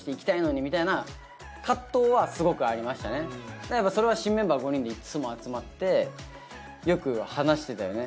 でもやっぱそれは新メンバー５人でいっつも集まってよく話してたよね？